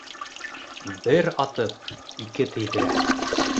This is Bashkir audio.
Бер атып, ике тейҙерә.